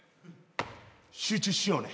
集中しようね。